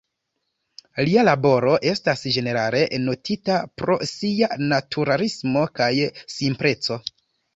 Lia laboro estas ĝenerale notita pro sia naturalismo kaj simpleco.